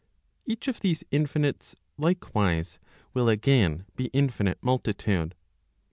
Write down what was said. Each of these infinites, likewise, will again be infinite multitude.